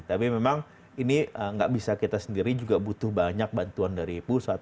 tapi memang ini nggak bisa kita sendiri juga butuh banyak bantuan dari pusat